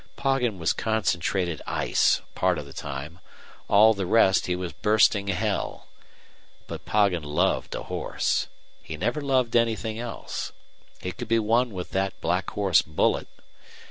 Poggin was concentrated ice part of the time; all the rest he was bursting hell. But Poggin loved a horse. He never loved anything else. He could be won with that black horse Bullet.